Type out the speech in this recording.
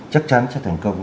chắc chắn sẽ thành công